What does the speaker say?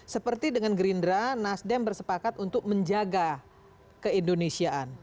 seperti dengan gerindra nasdem bersepakat untuk menjaga keindonesiaan